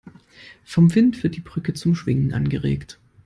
Vom Wind wird die Brücke zum Schwingen angeregt.